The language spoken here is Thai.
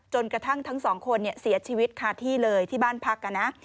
กระทั่งทั้งสองคนเสียชีวิตคาที่เลยที่บ้านพักนะ